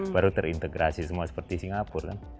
baru terintegrasi semua seperti singapura